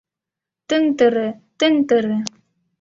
Тын-тыры, тын-тыры